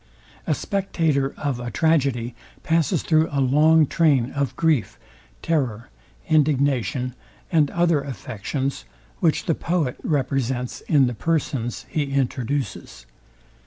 A spectator of a tragedy passes through a long train of grief, terror, indignation, and other affections, which the poet represents in the persons he introduces.